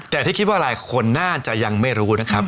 แต่ที่คิดว่าหลายคนน่าจะยังไม่รู้นะครับ